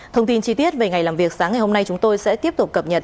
thông tin chi tiết về ngày làm việc sáng ngày hôm nay chúng tôi sẽ tiếp tục cập nhật